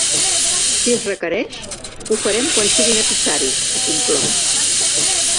“Si es requereix, ho farem quan sigui necessari”, ha conclòs.